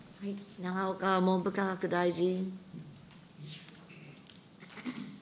永岡文部科学大臣。